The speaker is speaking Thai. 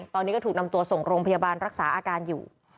ตอนนี้ก็ถูกนำตัวส่งโรงพยาบาลรักษาอาการอยู่